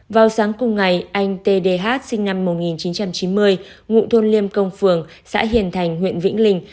vào sáng cùng ngày anh t d h sinh năm một nghìn chín trăm chín mươi ngụ thôn liêm công phường xã hiền thành huyện vĩnh linh